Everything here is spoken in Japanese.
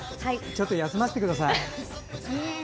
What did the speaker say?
ちょっと休ませてください。